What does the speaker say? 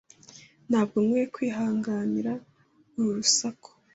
Ntabwo nkwiye kwihanganira uru rusaku.